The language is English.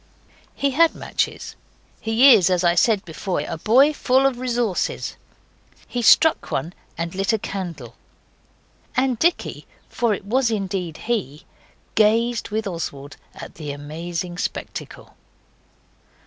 He had matches. He is, as I said before, a boy full of resources. He struck one and lit a candle, and Dicky, for it was indeed he, gazed with Oswald at the amazing spectacle.